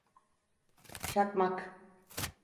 Çakmak.